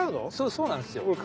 そうそうなんすよ。